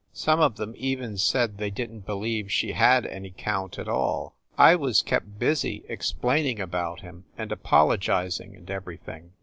Some of them even said they didn t believe she had any count at all. I was kept busy explaining about him, and apologizing and everything.